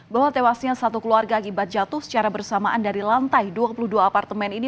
bahwa tewasnya satu keluarga akibat jatuh secara bersamaan dari lantai dua puluh dua apartemen ini